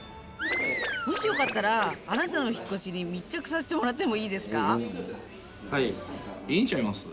もしよかったらあなたの引っ越しに密着させてもらってもいいですか？